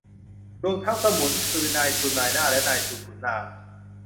รวมทั้งสมุน คือ นายทุนนายหน้าและนายทุนขุนนาง